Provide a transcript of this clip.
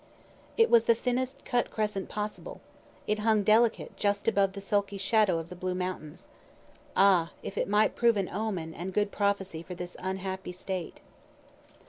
It was the thinnest cut crescent possible. It hung delicate just above the sulky shadow of the Blue mountains. Ah, if it might prove an omen and good prophecy for this unhappy State.